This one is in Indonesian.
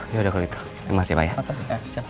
yaudah kalau itu